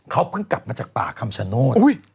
เขาเพิ่งกลับมาจากป่าคำชโนธ